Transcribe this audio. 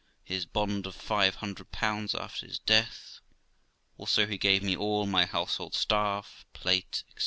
his bond of five hundred pounds after his death; also, he gave me all my household stuff, plate, &c.